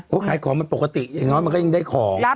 เขาขายของมันปกติอย่างน้อยมันก็ยังได้ของ